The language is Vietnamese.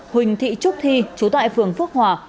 huỳnh thị trúc thi chú tại phường phước hòa